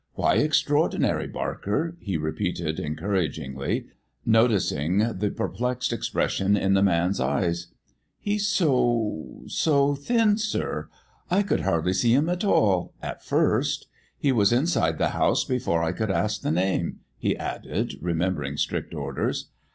"Why 'extraordinary,' Barker?" he repeated encouragingly, noticing the perplexed expression in the man's eyes. "He's so so thin, sir. I could hardly see 'im at all at first. He was inside the house before I could ask the name," he added, remembering strict orders.